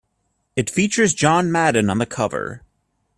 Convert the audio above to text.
It features John Madden on the cover.